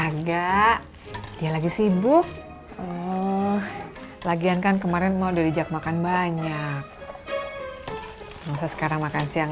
agak dia lagi sibuk lagian kan kemarin mau darijak makan banyak masa sekarang makan siang